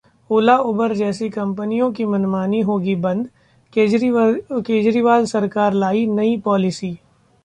ओला-उबर जैसी कंपनियों की मनमानी होगी बंद, केजरीवाल सरकार लाई नई पॉलिसी